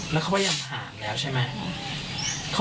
แล้วเขาพยายามถามแล้วใช่ไหม